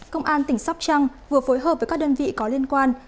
công an tỉnh sóc trăng vừa phối hợp với các đơn vị có liên quan